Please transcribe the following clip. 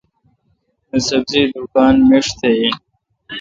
نہ ۔سبزی دکان میݭ تہ این۔